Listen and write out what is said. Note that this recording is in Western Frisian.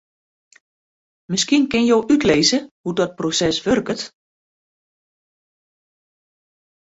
Miskien kinne jo útlizze hoe't dat proses wurket?